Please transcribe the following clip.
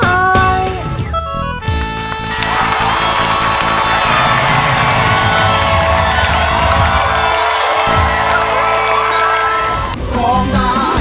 ก็ไม่ต้องรบด้วย